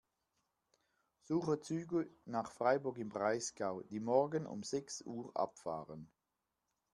Suche Züge nach Freiburg im Breisgau, die morgen um sechs Uhr abfahren.